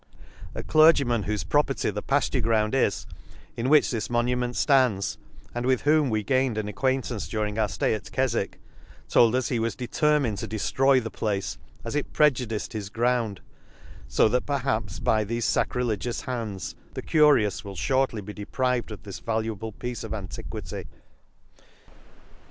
^— A clergyman whofe property the pafture 150 An Excursion to pafture ground is, in which this monu ment ftanels, and with whom we gained an acquaintance during our flay at Kefwick, told us he was determined to deftroy the place, as it prejudiced his ground ; fo that perhaps by thefe facrilegious hands, the curious will fhortly be deprived of this valuable piece of antiquity.